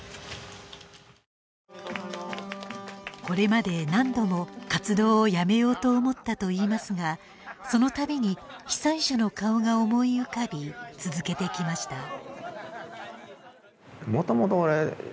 これまで何度も活動をやめようと思ったといいますが、そのたびに被災者の顔が思い浮かび、続けてきました。